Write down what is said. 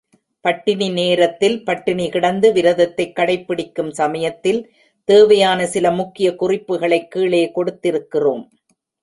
பட்டினி நேரத்தில் பட்டினி கிடந்து விரதத்தைக் கடைப்பிடிக்கும் சமயத்தில், தேவையான சில முக்கிய குறிப்புக்களைக் கீழே கொடுத்திருக்கிறோம்.